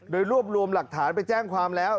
โดยรวบรวมหลักฐานไปแจ้งความแล้ว